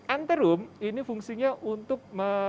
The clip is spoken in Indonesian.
antarum ini fungsinya untuk